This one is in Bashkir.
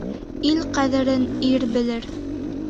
Ил ҡәҙерен ир белер.